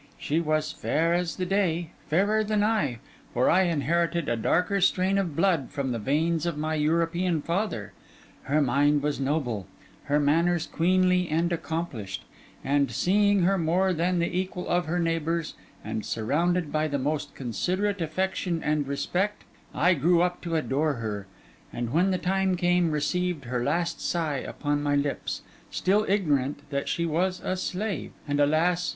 She was fair as the day: fairer than I, for I inherited a darker strain of blood from the veins of my European father; her mind was noble, her manners queenly and accomplished; and seeing her more than the equal of her neighbours, and surrounded by the most considerate affection and respect, I grew up to adore her, and when the time came, received her last sigh upon my lips, still ignorant that she was a slave, and alas!